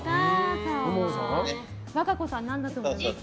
和歌子さん何だと思います？